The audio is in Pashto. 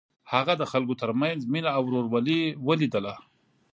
هغه د خلکو تر منځ مینه او ورورولي ولیده.